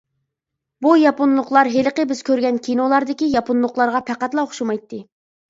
بۇ ياپونلۇقلار ھېلىقى بىز كۆرگەن كىنولاردىكى ياپونلۇقلارغا پەقەتلا ئوخشىمايتتى.